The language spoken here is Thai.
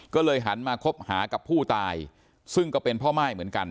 ก็เลยหันมาคบหากับผู้ตายซึ่งก็เป็นพ่อม่ายเหมือนกัน